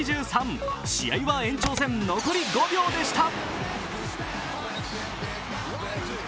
試合は延長戦、残り５秒でした。